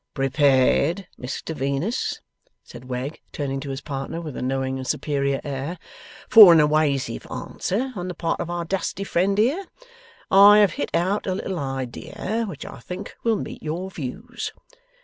'Prepared, Mr Venus,' said Wegg, turning to his partner with a knowing and superior air, 'for an ewasive answer on the part of our dusty friend here, I have hit out a little idea which I think will meet your views.